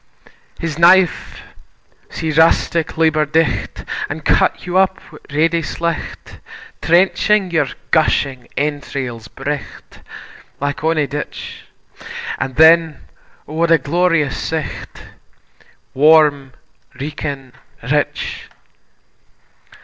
His knife see rustic labour dight, An' cut you up wi' ready slight, Trenching your gushing entrails bright Like onie ditch; And then, O what a glorious sight, Warm reekin, rich!